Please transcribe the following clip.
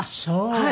はい。